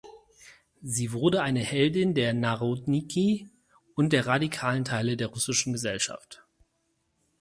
Sie wurde eine Heldin der Narodniki und der radikalen Teile der russischen Gesellschaft.